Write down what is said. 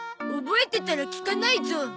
覚えてたら聞かないゾ。